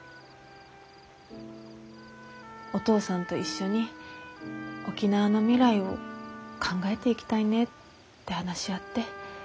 お父さんと一緒に沖縄の未来を考えていきたいねって話し合って。